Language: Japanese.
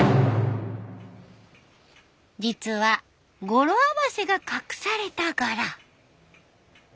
実は語呂合わせが隠された柄。